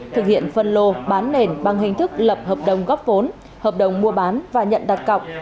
thực hiện phân lô bán nền bằng hình thức lập hợp đồng góp vốn hợp đồng mua bán và nhận đặt cọc